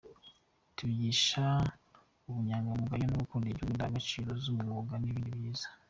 Tubigisha ubunyangamugayo no, gukunda igihugu, indangagaciro z’umwuga n’ibindi byiza.